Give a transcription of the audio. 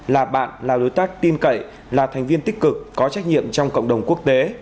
là bạn là đối tác tin cậy là thành viên tích cực có trách nhiệm trong cộng đồng quốc tế